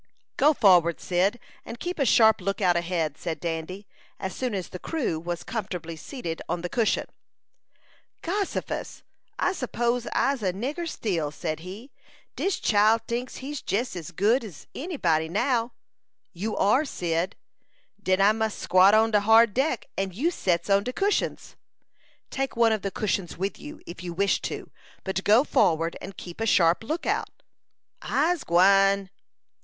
"Go forward, Cyd, and keep a sharp lookout ahead," said Dandy, as soon as the "crew" was comfortably seated on the cushion. "Gossifus! I suppose I'se a nigger still," said he. "Dis chile tinks he's jes as good's any body now." "You are, Cyd." "Den I mus squat on de hard deck, and you sets on de cushions." "Take one of the cushions with you, if you wish to; but go forward and keep a sharp lookout." "I'se gwine."